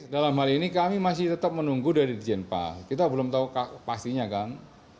dalam hal ini kami masih tetap menunggu dari dijen pa kita belum tahu pastinya kan